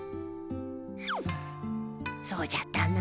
そうじゃったな。